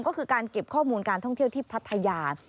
ก็คือการเก็บข้อมูลการท่องเที่ยวที่พัทยา